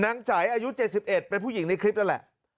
ใจอายุ๗๑เป็นผู้หญิงในคลิปนั่นแหละ